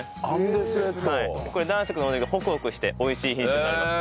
これ男爵と同じくホクホクして美味しい品種になります。